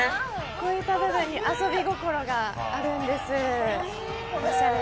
こういった部分に遊び心があるんです。